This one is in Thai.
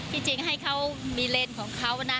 จริงให้เขามีเลนส์ของเขานะ